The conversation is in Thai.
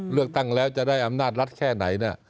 เลือกตั้งแล้วจะได้อำนาจรัฐแค่ไหน